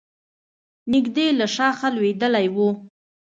نژدې له شاخه لوېدلی و.